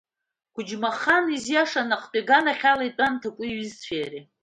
Қәыџьмахан изиаша наҟтәи аганахь ала итәан Ҭакәи иҩызцәеи иареи.